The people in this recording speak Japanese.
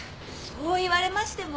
そう言われましても。